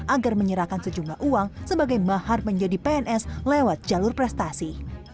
agar menyerahkan sejumlah uang sebagai mahar menjadi pns lewat jalur prestasi